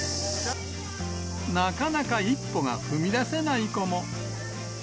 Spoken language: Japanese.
なかなか一歩が踏み出せない子も。